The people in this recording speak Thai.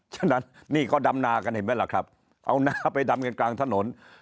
ฉะนั้นนี่ก็ดำนากันเห็นไหมล่ะครับเอานาไปดำกันกลางถนน